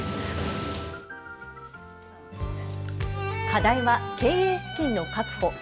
課題は経営資金の確保。